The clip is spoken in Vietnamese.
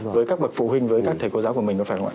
với các bậc phụ huynh với các thầy cô giáo của mình đúng không ạ